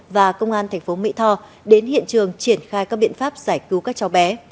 và công an thành phố mỹ tho đến hiện trường triển khai các biện pháp giải cứu các cháu bé